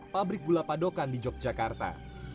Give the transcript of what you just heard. pabrik gula padokan di yogyakarta